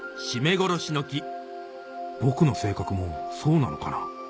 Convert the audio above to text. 殺しの木僕の性格もそうなのかな？